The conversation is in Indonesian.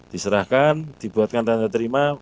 diserahkan dibuatkan tanda terima